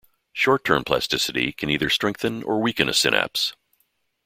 Short term plasticity can either strengthen or weaken a synapse.